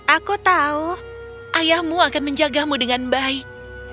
aku tahu ayahmu akan menjagamu dengan baik